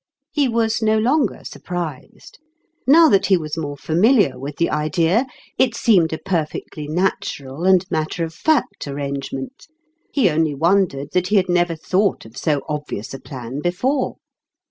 He was no longer sur prised : now that he was more familiar with the idea, it seemed a perfectly natural and matter of fact arrangement ; he only wondered that he had never thought of so obvious a plan before.